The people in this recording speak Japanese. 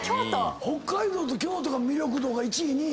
北海道と京都が魅力度が１位２位？